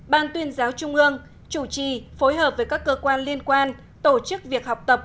ban tuyên giáo trung ương chủ trì phối hợp với các cơ quan liên quan tổ chức việc học tập